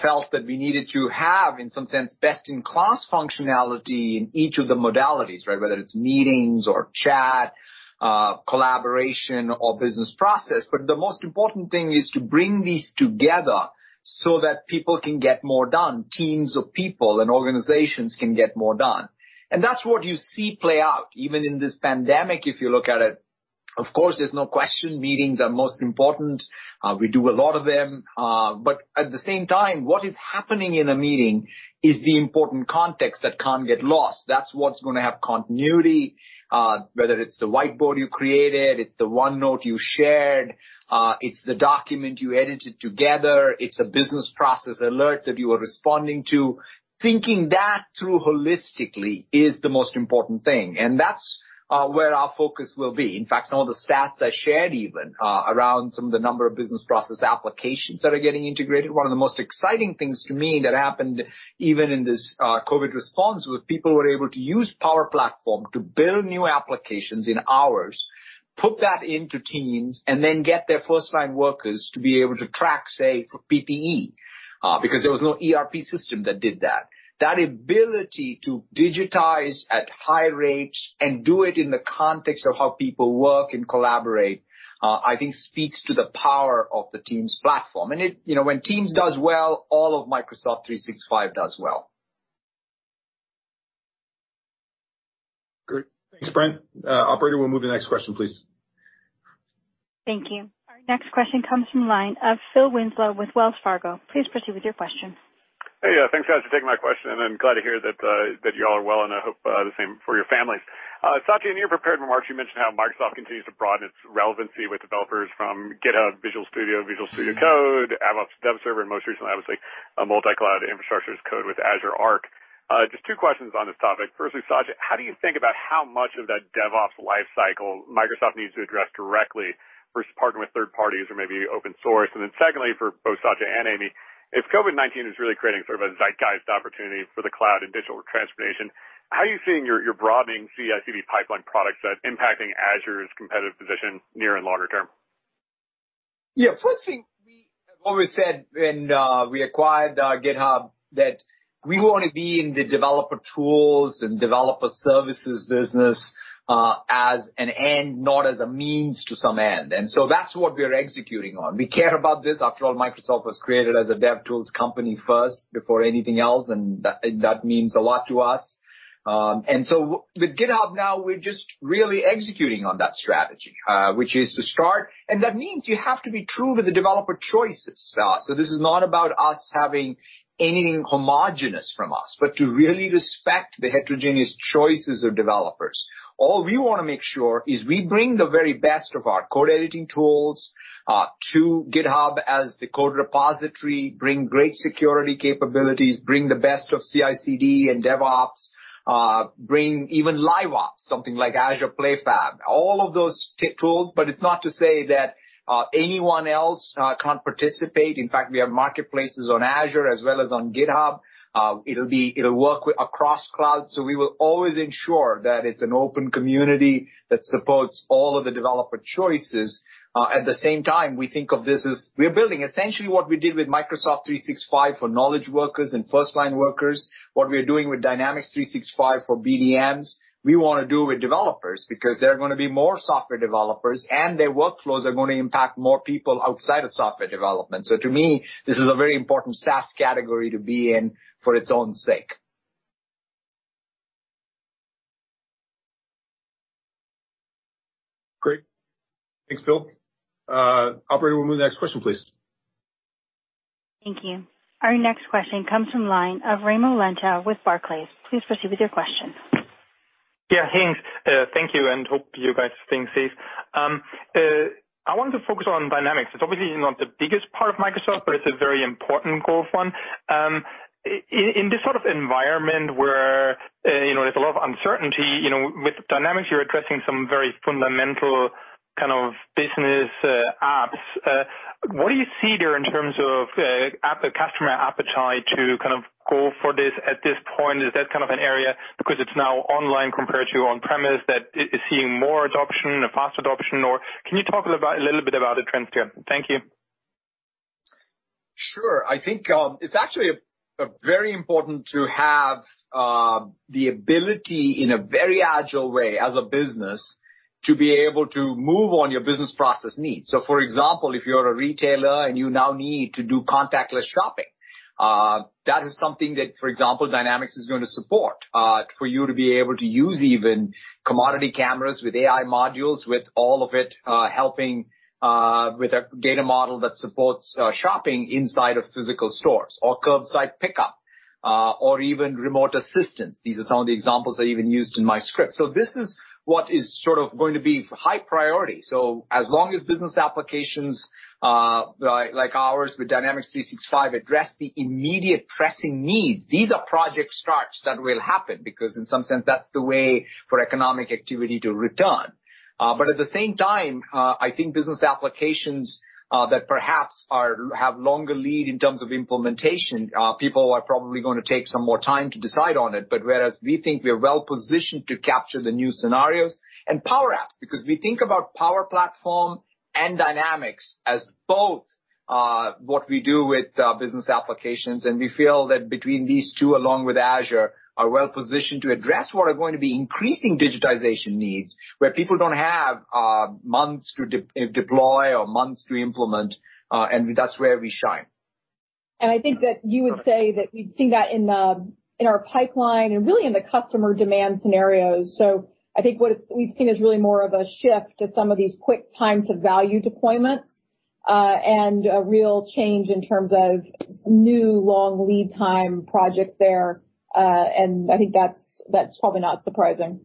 felt that we needed to have, in some sense, best-in-class functionality in each of the modalities, right? Whether it's meetings or chat, collaboration or business process. The most important thing is to bring these together so that people can get more done, teams of people and organizations can get more done. That's what you see play out even in this pandemic, if you look at it. Of course, there's no question meetings are most important. We do a lot of them. At the same time, what is happening in a meeting is the important context that can't get lost. That's what's gonna have continuity, whether it's the whiteboard you created, it's the OneNote you shared, it's the document you edited together, it's a business process alert that you are responding to. Thinking that through holistically is the most important thing, and that's where our focus will be. In fact, some of the stats I shared even around some of the number of business process applications that are getting integrated. One of the most exciting things to me that happened even in this COVID response was people were able to use Power Platform to build new applications in hours, put that into Teams, and then get their first-line workers to be able to track, say, for PPE, because there was no ERP system that did that. That ability to digitize at high rates and do it in the context of how people work and collaborate, I think speaks to the power of the Teams platform. You know, when Teams does well, all of Microsoft 365 does well. Great. Thanks, Brent. operator, we'll move to the next question, please. Thank you. Our next question comes from line of Phil Winslow with Wells Fargo. Please proceed with your question. Hey, thanks, guys, for taking my question. I'm glad to hear that you all are well, and I hope the same for your families. Satya, in your prepared remarks, you mentioned how Microsoft continues to broaden its relevancy with developers from GitHub, Visual Studio, Visual Studio Code, Azure DevOps Server, and most recently, obviously, multi-cloud infrastructure as code with Azure Arc. Just two questions on this topic. Firstly, Satya, how do you think about how much of that DevOps life cycle Microsoft needs to address directly versus partnering with third parties or maybe open source? Secondly, for both Satya and Amy, if COVID-19 is really creating sort of a zeitgeist opportunity for the cloud and digital transformation, how are you seeing your broadening CICD pipeline products that impacting Azure's competitive position near and longer term? Yeah. First thing, we always said when we acquired GitHub that we wanna be in the developer tools and developer services business as an end, not as a means to some end. That's what we are executing on. We care about this. After all, Microsoft was created as a dev tools company first before anything else, and that means a lot to us. With GitHub now we're just really executing on that strategy, which is to start. That means you have to be true to the developer choices. This is not about us having anything homogenous from us, but to really respect the heterogeneous choices of developers. All we wanna make sure is we bring the very best of our code editing tools to GitHub as the code repository, bring great security capabilities, bring the best of CICD and DevOps, bring even LiveOps, something like Azure PlayFab, all of those tools. It's not to say that anyone else can't participate. In fact, we have marketplaces on Azure as well as on GitHub. It'll work with across clouds, we will always ensure that it's an open community that supports all of the developer choices. At the same time, we think of this as we're building essentially what we did with Microsoft 365 for knowledge workers and firstline workers, what we are doing with Dynamics 365 for BDMs, we wanna do with developers because there are gonna be more software developers and their workflows are gonna impact more people outside of software development. To me, this is a very important SaaS category to be in for its own sake. Great. Thanks, Phil. Operator, we'll move to the next question, please. Thank you. Our next question comes from line of Raimo Lenschow with Barclays. Please proceed with your question. Yeah, thanks. Thank you and hope you guys are staying safe. I want to focus on Dynamics. It's obviously not the biggest part of Microsoft, but it's a very important growth one. In this sort of environment where, you know, there's a lot of uncertainty, you know, with Dynamics you're addressing some very fundamental kind of business apps. What do you see there in terms of app, customer appetite to kind of go for this at this point? Is that kind of an area because it's now online compared to on-premise that is seeing more adoption or fast adoption? Can you talk a little bit about the trends here? Thank you. Sure. I think, it's actually very important to have the ability in a very agile way as a business to be able to move on your business process needs. For example, if you're a retailer and you now need to do contactless shopping, that is something that, For example, Dynamics is going to support for you to be able to use even commodity cameras with AI modules with all of it, helping with a data model that supports shopping inside of physical stores or curbside pickup, or even remote assistance. These are some of the examples I even used in my script. This is what is sort of going to be high priority. As long as business applications, like ours with Dynamics 365 address the immediate pressing needs, these are project starts that will happen because in some sense, that's the way for economic activity to return. But at the same time, I think business applications that perhaps have longer lead in terms of implementation, people are probably gonna take some more time to decide on it. Whereas we think we're well-positioned to capture the new scenarios and Power Apps because we think about Power Platform and Dynamics as both what we do with business applications, and we feel that between these two along with Azure are well-positioned to address what are going to be increasing digitization needs where people don't have months to de-deploy or months to implement, and that's where we shine. I think that you would say that we've seen that in the, in our pipeline and really in the customer demand scenarios. I think what we've seen is really more of a shift to some of these quick time to value deployments and a real change in terms of new long lead time projects there. I think that's probably not surprising.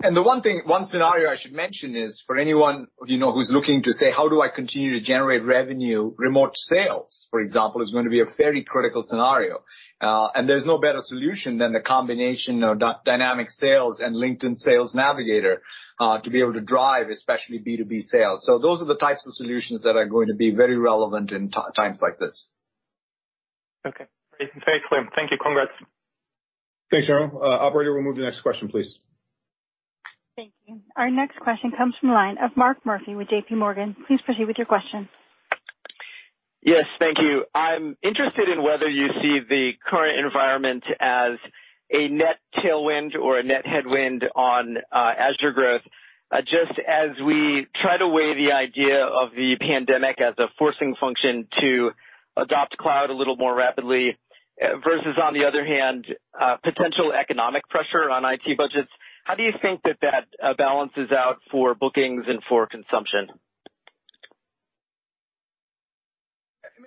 The one thing, one scenario I should mention is for anyone you know who's looking to say, "How do I continue to generate revenue?" Remote sales, for example, is gonna be a very critical scenario. There's no better solution than the combination of Dynamics 365 Sales and LinkedIn Sales Navigator, to be able to drive especially B2B sales. Those are the types of solutions that are going to be very relevant in times like this. Okay. Very clear. Thank you. Congrats. Thanks, Raimo. Operator, we'll move to the next question, please. Thank you. Our next question comes from line of Mark Murphy with JPMorgan. Please proceed with your question. Yes. Thank you. I'm interested in whether you see the current environment as a net tailwind or a net headwind on Azure growth. Just as we try to weigh the idea of the pandemic as a forcing function to adopt cloud a little more rapidly versus, on the other hand, potential economic pressure on IT budgets, how do you think that that balances out for bookings and for consumption?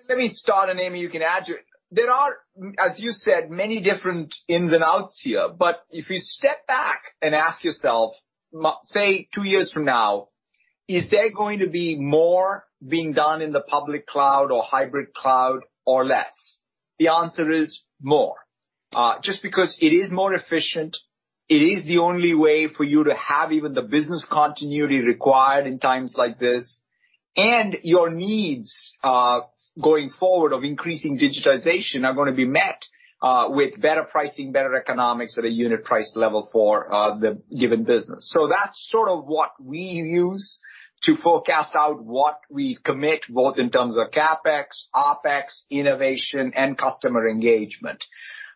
Let me start, and Amy, you can add to it. There are, as you said, many different ins and outs here. If you step back and ask yourself, say 2 years from now, is there going to be more being done in the public cloud or hybrid cloud or less? The answer is more. Just because it is more efficient, it is the only way for you to have even the business continuity required in times like this, and your needs going forward of increasing digitization are gonna be met with better pricing, better economics at a unit price level for the given business. That's sort of what we use to forecast out what we commit, both in terms of CapEx, OpEx, innovation, and customer engagement.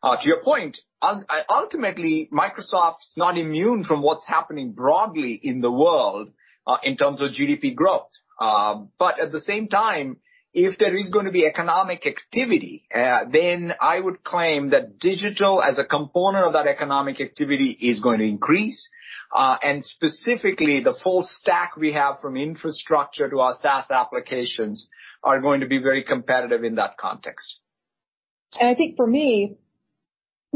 To your point, ultimately, Microsoft's not immune from what's happening broadly in the world, in terms of GDP growth. At the same time, if there is gonna be economic activity, then I would claim that digital as a component of that economic activity is going to increase. Specifically, the full stack we have from infrastructure to our SaaS applications are going to be very competitive in that context.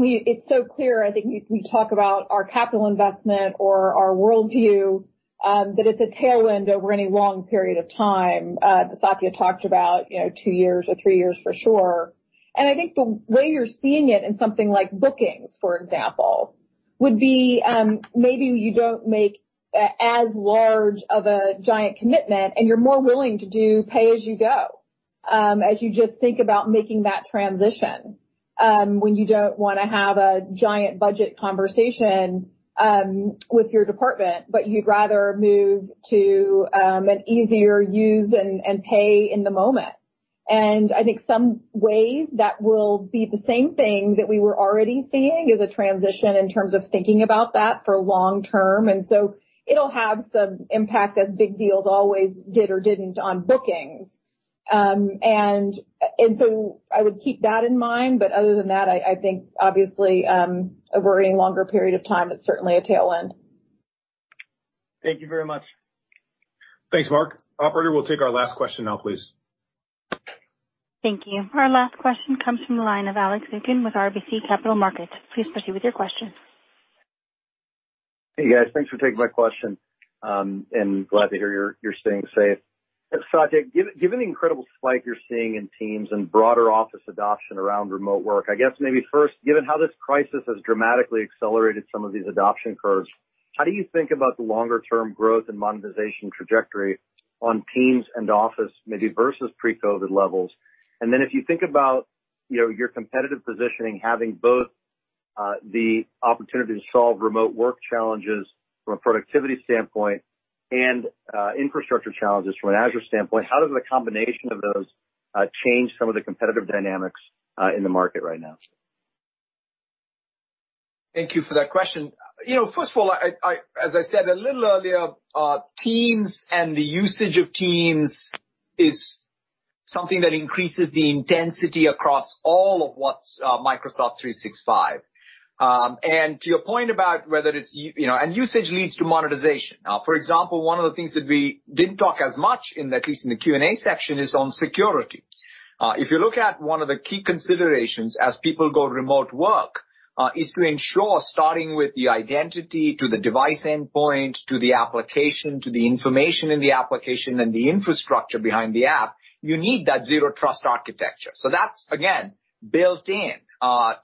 I think for me, it's so clear, I think we talk about our capital investment or our world view, that it's a tailwind over any long period of time. Satya talked about, you know, 2 years or 3 years for sure. I think the way you're seeing it in something like bookings, for example, would be, maybe you don't make as large of a giant commitment, and you're more willing to do pay-as-you-go, as you just think about making that transition, When you don't wanna have a giant budget conversation, with your department, but you'd rather move to an easier use and pay in the moment. I think some ways that will be the same thing that we were already seeing as a transition in terms of thinking about that for long term. It'll have some impact as big deals always did or didn't on bookings. I would keep that in mind, but other than that, I think obviously, over a longer period of time, it's certainly a tailwind. Thank you very much. Thanks, Mark. Operator, we'll take our last question now, please. Thank you. Our last question comes from the line of Alex Zukin with RBC Capital Markets. Please proceed with your question. Hey, guys. Thanks for taking my question, glad to hear you're staying safe. Satya, given the incredible spike you're seeing in Teams and broader Office adoption around remote work, I guess maybe first, given how this crisis has dramatically accelerated some of these adoption curves, how do you think about the longer term growth and monetization trajectory on Teams and Office maybe versus pre-COVID levels? If you think about, you know, your competitive positioning having both the opportunity to solve remote work challenges from a productivity standpoint and infrastructure challenges from an Azure standpoint, how does the combination of those change some of the competitive dynamics in the market right now? Thank you for that question. You know, first of all, as I said a little earlier, Teams and the usage of Teams is something that increases the intensity across all of what's Microsoft 365. To your point about whether it's you know, usage leads to monetization. For example, one of the things that we didn't talk as much in, at least in the Q&A section, is on security. If you look at one of the key considerations as people go to remote work, is to ensure, starting with the identity to the device endpoint, to the application, to the information in the application and the infrastructure behind the app, you need that Zero Trust architecture. That's, again, built in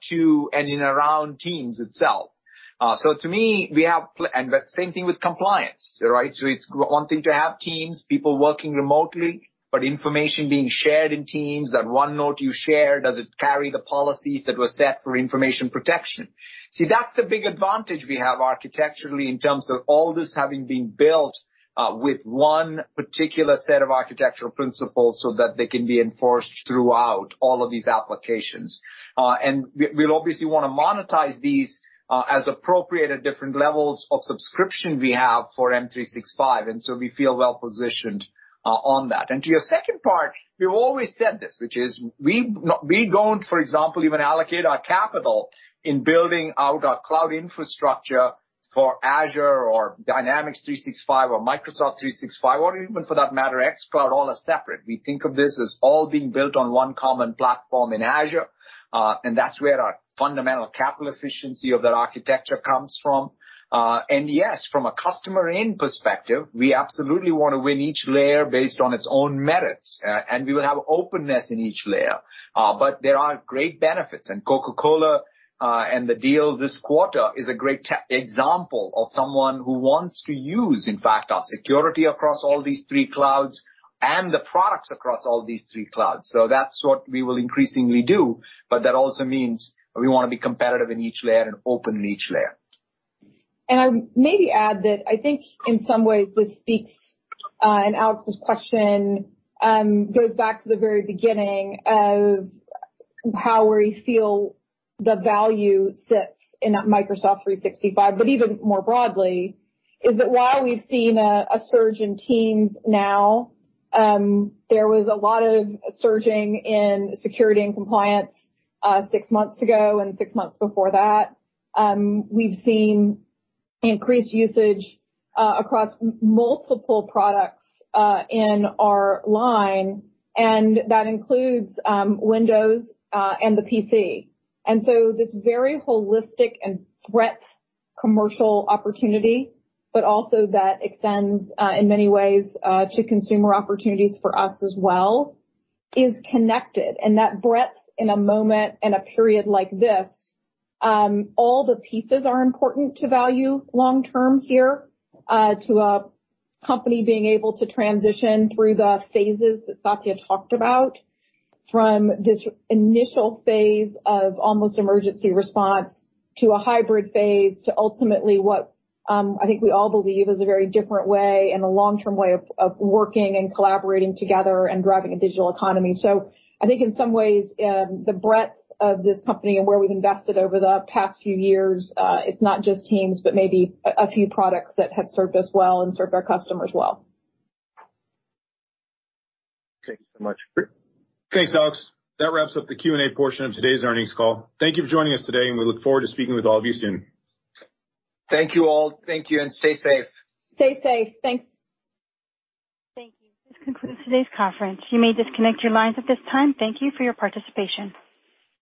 to and in around Teams itself. The same thing with compliance, right? It's one thing to have Teams, people working remotely, but information being shared in Teams, that OneNote you share, does it carry the policies that were set for information protection? See, that's the big advantage we have architecturally in terms of all this having been built, with one particular set of architectural principles so that they can be enforced throughout all of these applications. We, we'll obviously wanna monetize these, as appropriate at different levels of subscription we have for M365. We feel well-positioned, on that. To your second part, we've always said this, which is we don't, for example, even allocate our capital in building out our cloud infrastructure for Azure or Dynamics 365 or Microsoft 365 or even for that matter, xCloud, all are separate. We think of this as all being built on one common platform in Azure, that's where our fundamental capital efficiency of that architecture comes from. Yes, from a customer end perspective, we absolutely wanna win each layer based on its own merits, we will have openness in each layer. There are great benefits, and Coca-Cola, and the deal this quarter is a great example of someone who wants to use, in fact, our security across all these 3 clouds and the products across all these 3 clouds. That's what we will increasingly do, but that also means we wanna be competitive in each layer and open in each layer. I would maybe add that I think in some ways this speaks, and Alex's question, goes back to the very beginning of how we feel the value sits in that Microsoft 365, but even more broadly is that while we've seen a surge in Teams now, there was a lot of surging in security and compliance six months ago and six months before that. We've seen increased usage across multiple products in our line, and that includes Windows and the PC. This very holistic and breadth commercial opportunity, but also that extends in many ways to consumer opportunities for us as well, is connected. That breadth in a moment and a period like this, all the pieces are important to value long term here, to a company being able to transition through the phases that Satya talked about from this initial phase of almost emergency response to a hybrid phase to ultimately what, I think we all believe is a very different way and a long-term way of working and collaborating together and driving a digital economy. I think in some ways, the breadth of this company and where we've invested over the past few years, it's not just Teams, but maybe a few products that have served us well and served our customers well. Thank you so much. Thanks, Alex. That wraps up the Q&A portion of today's earnings call. Thank you for joining us today, and we look forward to speaking with all of you soon. Thank you, all. Thank you, and stay safe. Stay safe. Thanks. Thank you. This concludes today's conference. You may disconnect your lines at this time. Thank you for your participation.